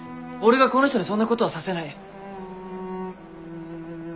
俺がこの人にそんなことはさせない。